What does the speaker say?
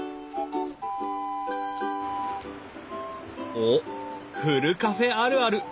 おっふるカフェあるある。